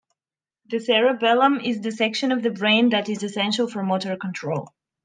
The cerebellum is the section of the brain that is essential for motor control.